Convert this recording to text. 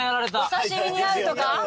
お刺し身に合うとか？